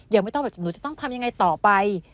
ยังไม่ต้องแบบหนูจะต้องทำยังไงต่อไป